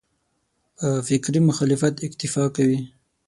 په فکري مخالفت اکتفا کوي.